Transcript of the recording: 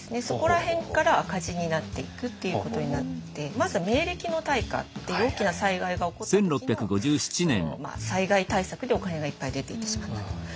そこら辺から赤字になっていくっていうことになってまずは明暦の大火っていう大きな災害が起こった時の災害対策でお金がいっぱい出ていってしまったと。